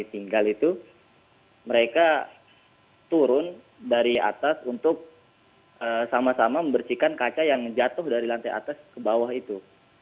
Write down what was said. tinggal itu mereka turun dari atas untuk sama sama membersihkan kaca yang jatuh dari lantai atas ke bawah itu